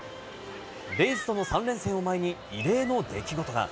レイズとの３連戦を前に異例の出来事が。